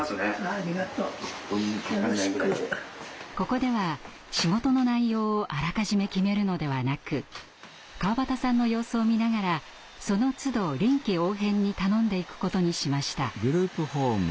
ここでは仕事の内容をあらかじめ決めるのではなく川端さんの様子を見ながらそのつど臨機応変に頼んでいくことにしました。